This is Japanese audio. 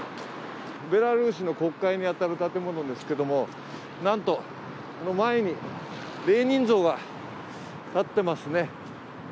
ベラルーシの国会に当たる建物ですけれども、なんと、この前にレーニン像が立ってますね。